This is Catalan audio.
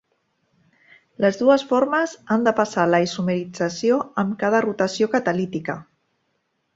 Les dues formes han de passar la isomerització amb cada rotació catalítica.